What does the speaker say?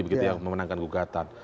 begitu yang memenangkan gugatan